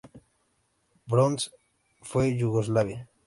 Bronce fue Yugoslavia.